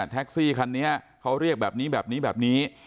แท็กซี่คันนี้เขาเรียกแบบนี้แบบนี้แบบนี้